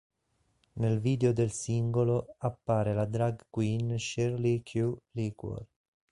Nel video del singolo appare la drag queen Shirley Q. Liquor.